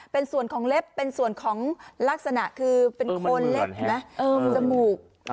เป็นส่วนของเล็บเป็นส่วนของลักษณะเป็นคนเล็บนะคะ